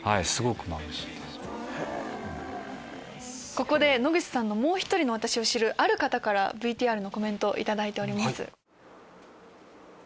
ここで野口さんの「もうひとりのワタシ。」を知るある方からＶＴＲのコメント頂いております。